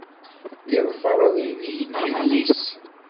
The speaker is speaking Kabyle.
Yeḍfer abrid igelliden-is.